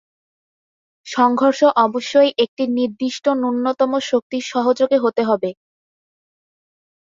শহরের কেন্দ্রস্থলে অবস্থিত, এটি পাটনার রেল পরিষেবা প্রদানকারী প্রধান রেলওয়ে স্টেশন।